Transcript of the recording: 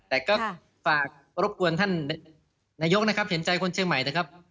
แต่ก็ฝากรบกวนท่านนายกนะครับเห็นใจคนเชียงใหม่นะครับ